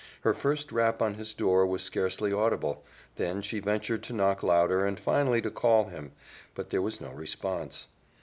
Her first rap on his door was scarcely audible, then she ventured to knock louder and finally to call him, but there was no response.